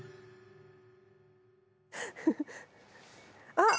あっ！